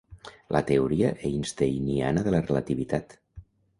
La teoria einsteiniana de la relativitat.